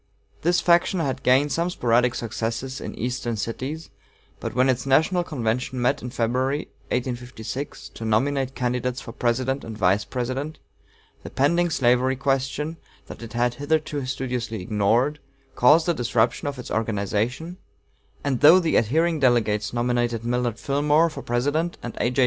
This faction had gained some sporadic successes in Eastern cities, but when its national convention met in February, 1856, to nominate candidates for President and Vice President, the pending slavery question, that it had hitherto studiously ignored, caused a disruption of its organization; and though the adhering delegates nominated Millard Fillmore for President and A.J.